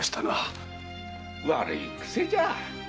悪い癖じゃ！